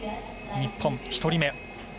日本１人目。